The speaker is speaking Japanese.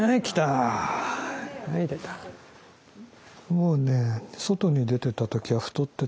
もうね外に出てた時は太ってた。